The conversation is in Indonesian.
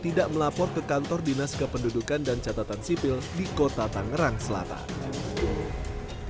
tidak melapor ke kantor dinas kependudukan dan catatan sipil di kota tangerang selatan